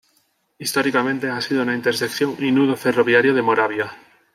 Históricamente, ha sido una intersección y nudo ferroviario de Moravia.